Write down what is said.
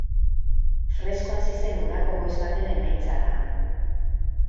Fresko hasi zen udako goiz baten emaitza da.